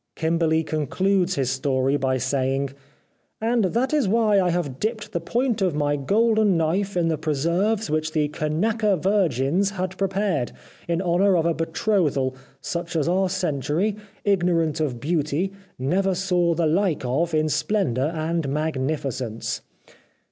Kimberly concludes his story by saying :" And that is why I have dipped the point of my golden knife in the preserves which the Kanaka virgins had prepared, in honour of a betrothal, such as our century, ignorant of beauty, never saw the like of in splendour and magnificence."